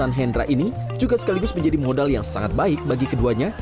saran hendra ini juga sekaligus menjadi modal yang sangat baik bagi keduanya